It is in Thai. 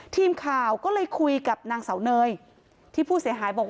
ทีมข่าวก็เลยคุยกับนางเสาเนยที่ผู้เสียหายบอกว่า